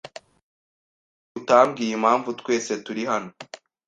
Kuki utambwiye impamvu twese turi hano?